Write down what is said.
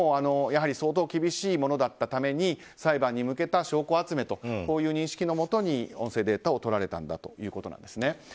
やはり、相当厳しいものだったために裁判に向けた証拠集めという認識のもとに音声データをとられたんだということなんですね。